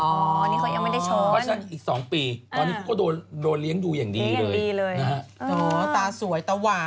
เพราะฉะนั้นอีกสองปีตอนนี้ก็โดนเลี้ยงดูอย่างดีเลย